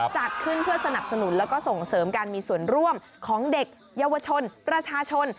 จัดขึ้นเพื่อสนับสนุนแล้วก็ส่งเสริมการมีส่วนร่วมของเด็กเยาวชนประชาชน